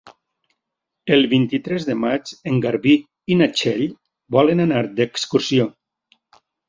El vint-i-tres de maig en Garbí i na Txell volen anar d'excursió.